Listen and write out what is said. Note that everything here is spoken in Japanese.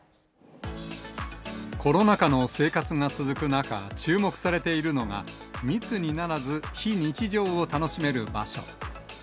コロナ禍の生活が続く中、注目されているのが、密にならず非日常を楽しめる場所。